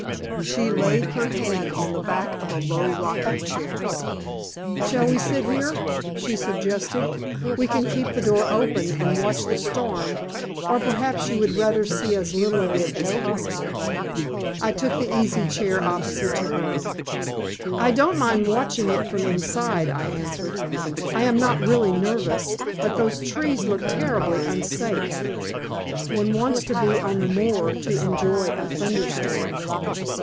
She laid her hand on the back of a low rocking chair. "Shall we sit here?" she suggested. "We can keep the door open and watch the storm. Or perhaps you would rather see as little of it as possible?" I took the easy chair opposite to her. "I don't mind watching it from inside," I answered. "I am not really nervous, but those trees look horribly unsafe. One wants to be on the moor to enjoy a thunderstorm."